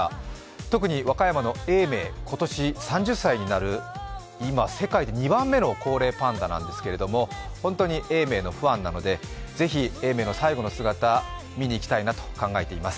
特に和歌山の永明、今年３０歳になる今世界で２番目の高齢パンダなんですけども本当に永明のファンなのでぜひ永明の最後の姿見に行きたいと考えております。